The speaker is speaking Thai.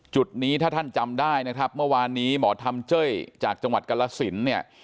จุดนี้ถ้าท่านจำได้นะครับเมื่อวานนี้หมอธรรมเจ้ยจากจังหวัดกรสินเนี่ย